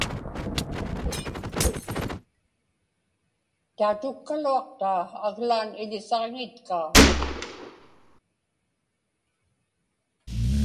Tautukkaluaqtaa aglaan iḷisaġiŋitkaa.